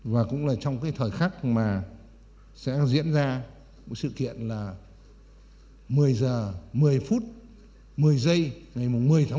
và cũng là trong cái thời khắc mà sẽ diễn ra sự kiện là một mươi h một mươi phút một mươi giây ngày một mươi tháng một mươi